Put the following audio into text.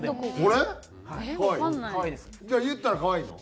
じゃあ言ったら可愛いの？